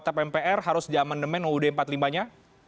tap mpr harus di amandemen uud empat puluh lima nya